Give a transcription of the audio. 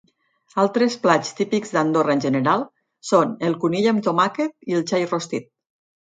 Altres plats típics d'Andorra en general són el conill amb tomàquet i el xai rostit.